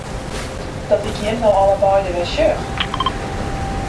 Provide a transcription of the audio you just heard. Dat ik jim no allebeide wer sjoch!